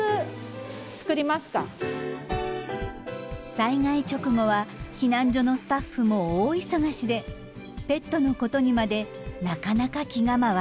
災害直後は避難所のスタッフも大忙しでペットのことにまでなかなか気が回りません。